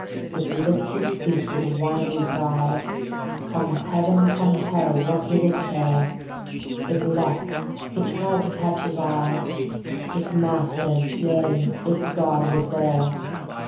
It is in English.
It licked his feet with whining cry. Come Heav'n, come Hell, what did it care? It leapt, it tried to catch his eye; Its master, yea, its God was there.